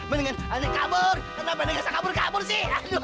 mendingan nek kabur kenapa nek bisa kabur kabur sih